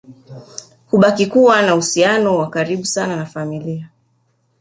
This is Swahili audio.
Hubakia kuwa na uhusiano wa karibu sana na familia